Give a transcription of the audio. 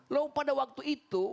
loh pada waktu itu